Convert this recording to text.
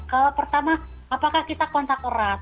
kalau pertama apakah kita kontak erat